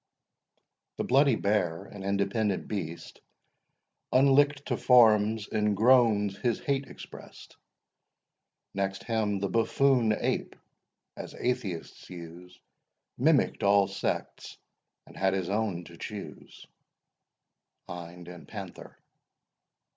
The bloody bear, an independent beast, Unlick'd to forms, in groans his hate express'd— Next him the buffoon ape, as atheists use, Mimick'd all sects, and had his own to choose. HIND AND PANTHER.